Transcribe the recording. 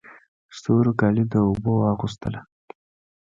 ستورو کالي د اوبو واغوستله